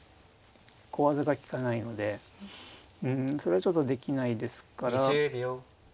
小技が利かないのでうんそれはちょっとできないですから。